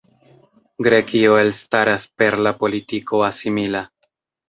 Grekio elstaras per la politiko asimila.